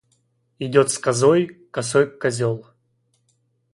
Идет с козой косой козел.